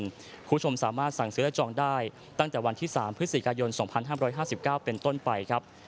คุณผู้ชมสามารถสั่งซื้อจองได้ตั้งแต่วันที่๓พฤศจิกายน๒๕๕๙เป็นต้นไปครับ